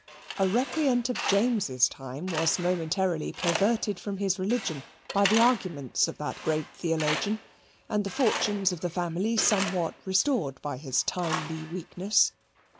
A recreant of James's time was momentarily perverted from his religion by the arguments of that great theologian, and the fortunes of the family somewhat restored by his timely weakness.